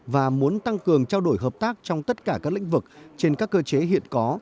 và muốn tăng cường trao đổi hợp tác trong tất cả các lĩnh vực trên các cơ chế hiện có